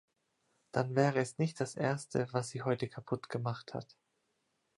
Dann wäre es nicht das Erste, was sie heute kaputt gemacht hat.